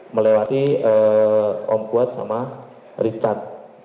melewati om kuat sama richard